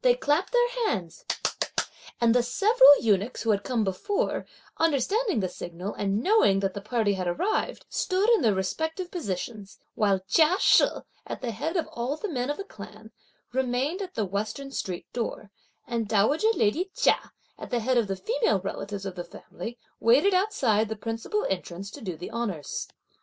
They clapped their hands, and the several eunuchs (who had come before), understanding the signal, and knowing that the party had arrived, stood in their respective positions; while Chia She, at the head of all the men of the clan, remained at the western street door, and dowager lady Chia, at the head of the female relatives of the family, waited outside the principal entrance to do the honours.